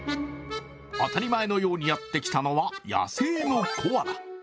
当たり前のようにやってきたのは野生のコアラ。